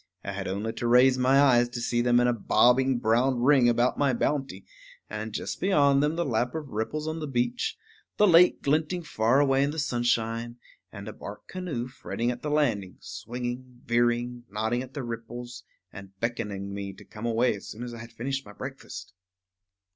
I had only to raise my eyes to see them in a bobbing brown ring about my bounty; and, just beyond them, the lap of ripples on the beach, the lake glinting far away in the sunshine, and a bark canoe fretting at the landing, swinging, veering, nodding at the ripples, and beckoning me to come away as soon as I had finished my breakfast.